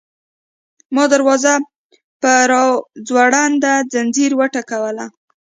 ما دروازه په راځوړند ځنځیر وټکوله.